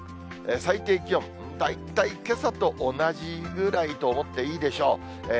最低気温、大体けさと同じぐらいと思っていいでしょう。